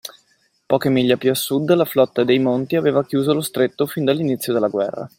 Poche miglia più a sud la flotta dei Monti aveva chiuso lo stretto fin dall’inizio della guerra